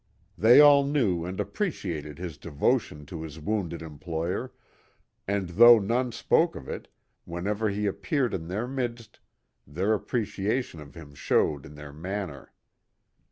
They all knew and appreciated his devotion to his wounded employer, and though none spoke of it, whenever he appeared in their midst their appreciation of him showed in their manner.